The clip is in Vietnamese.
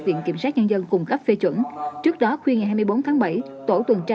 viện kiểm sát nhân dân cung cấp phê chuẩn trước đó khuya ngày hai mươi bốn tháng bảy tổ tuần tra